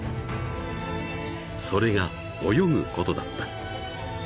［それが泳ぐことだった］